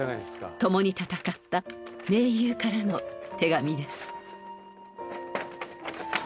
共に戦った盟友からの手紙です。